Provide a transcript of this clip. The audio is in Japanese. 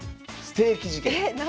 ステーキ事件。